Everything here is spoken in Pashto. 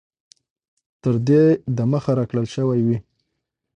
تر دې د مخه را كړل شوي وې